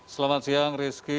selamat siang rizky